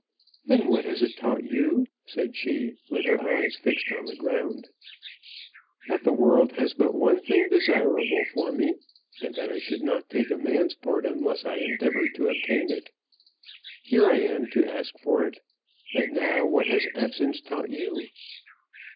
"And what has it taught you?" said she, with her eyes fixed on the ground. "That the world has but one thing desirable for me, and that I should not take a man's part unless I endeavoured to obtain it. I am here to ask for it. And now, what has absence taught you?"